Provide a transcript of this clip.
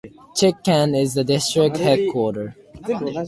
Chitkan is the district headquarter.